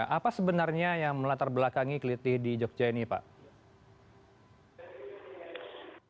apa sebenarnya yang melatar belakangi kelitih di jogja ini pak